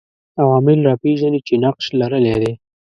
عوامل راپېژني چې نقش لرلای دی